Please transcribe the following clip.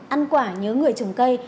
ăn quả nhớ người trồng cây